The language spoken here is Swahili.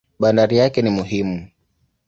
Bandari yake ni muhimu.